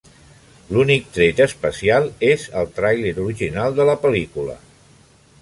L'únic tret especial és el trailer original de la pel·lícula.